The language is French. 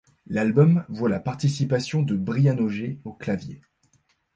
L'album voit la participation de Brian Auger au clavier.